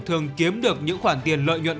thường kiếm được những khoản tiền lợi nhuận